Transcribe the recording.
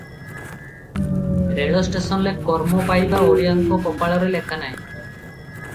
ରେଳଷ୍ଟେସନରେ କର୍ମ ପାଇବା ଓଡ଼ିଆଙ୍କ କପାଳରେ ଲେଖା ନାହିଁ ।